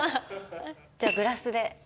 じゃあグラスで。